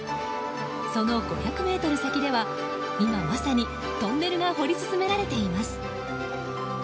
その５００ｍ先では今まさにトンネルが掘り進められています。